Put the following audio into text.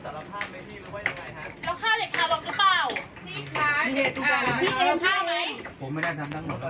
โปรดติดตามตอนต่อไป